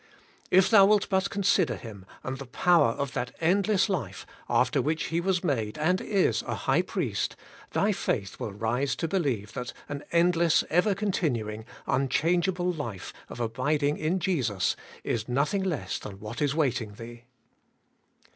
If thou wilt but consider Him, and the power of that endless life after which He was made and is a High Priest, thy faith will rise to believe that an endless, ever continuing, unchangeable life of abiding in Jesus, is nothing less than what is waiting thee.